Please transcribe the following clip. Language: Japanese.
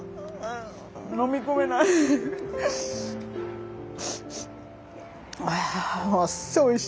飲み込めない。